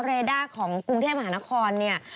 เรด้าของกรุงเทพมหานครเนี่ย